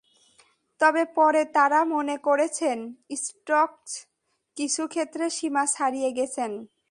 তবে পরে তাঁরা মনে করেছেন, স্টোকস কিছু ক্ষেত্রে সীমা ছাড়িয়ে গেছেন।